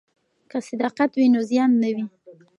که صداقت وي نو زیان نه وي.